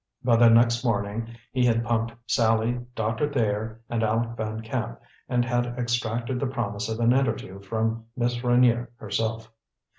By the next morning he had pumped Sallie, Doctor Thayer and Aleck Van Camp, and had extracted the promise of an interview from Miss Reynier herself.